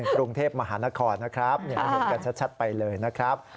กรุงเทพมหานครนะครับให้เห็นกันชัดไปเลยนะครับ